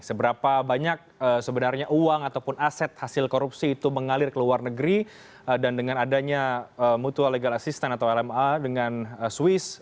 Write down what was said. seberapa banyak sebenarnya uang ataupun aset hasil korupsi itu mengalir ke luar negeri dan dengan adanya mutual legal assistance atau lma dengan swiss